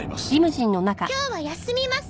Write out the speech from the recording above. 今日は休みます。